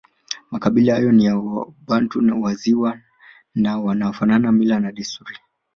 Makabila hayo ni ya Wabantu wa Ziwa na yanafanana mila na desturi